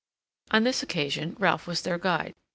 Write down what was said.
On this occasion Ralph was their guide.